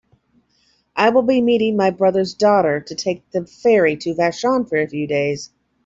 I will be meeting my brother's daughter to take the ferry to Vashon for a few days.